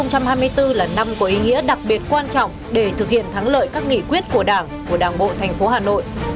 năm hai nghìn hai mươi bốn là năm có ý nghĩa đặc biệt quan trọng để thực hiện thắng lợi các nghị quyết của đảng của đảng bộ thành phố hà nội